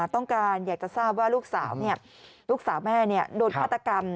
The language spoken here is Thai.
ต้องการอยากจะทราบว่าลูกสาวลูกสาวแม่โดนฆาตกรรม